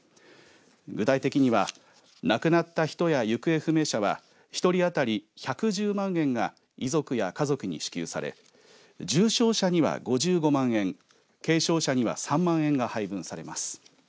具体的には亡くなった人や行方不明者は１人当たり１１０万円が遺族や家族に支給され重傷者には５５万円軽傷者には３万円が配分されます。